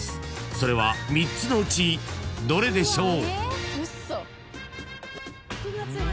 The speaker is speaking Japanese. ［それは３つのうちどれでしょう？］